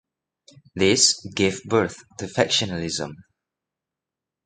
This gave birth to factionalism.